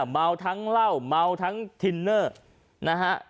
เมาทั้งเหล้าเมาทั้งทินเนอร์นะฮะ